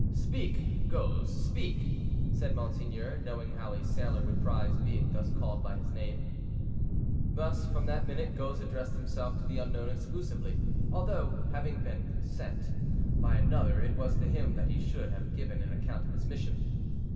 "Speak, Goes, speak," said monseigneur, knowing how a sailor would prize being thus called by his name. Thus from that minute Goes addressed himself to the unknown exclusively; although, having been sent by another, it was to him that he should have given an account of his mission.